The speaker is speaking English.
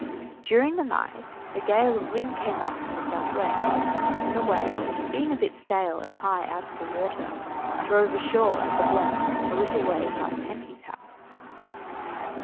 During the night a gale of wind came on from the south west, and the whale, being a bit stale and high out of the water, drove ashore at the Bluff, a little way past Henty's house.